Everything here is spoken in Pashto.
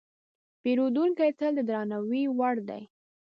پیرودونکی تل د درناوي وړ دی.